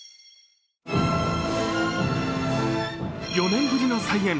４年ぶりの再演。